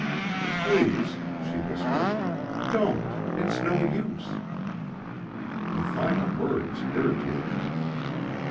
"Please," she whispered, "don't ... it's no use." The final words irritated him.